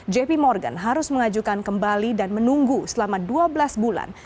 jp morgan harus mengajukan kembali dan menunggu selama dua belas bulan